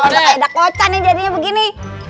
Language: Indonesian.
bakal edak edak koca nih jadinya begini